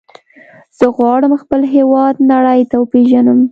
زه غواړم خپل هېواد نړۍ ته وپیژنم.